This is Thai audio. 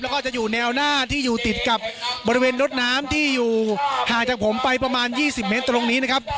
แล้วก็จะอยู่แนวหน้าที่อยู่ติดกับบริเวณรถน้ำที่อยู่ห่างจากผมไปประมาณ๒๐เมตรตรงนี้นะครับ